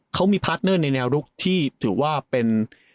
เขามีพาร์ทเนอร์ในแนวรุกที่ถือว่าเป็น